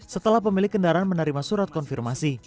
setelah pemilik kendaraan menerima surat konfirmasi